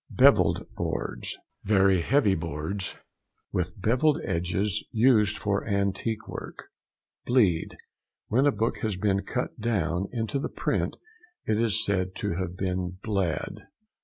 BEVELLED BOARDS.—Very heavy boards with bevelled edges; used for antique work. BLEED.—When a book has been cut down into the print it is said to have been bled.